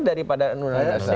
daripada undang undang dasar